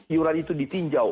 iuran itu ditinjau